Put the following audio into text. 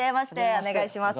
お願いします。